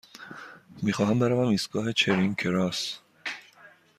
می خواهم بروم ایستگاه چرینگ کراس.